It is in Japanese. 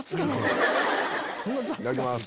いただきます！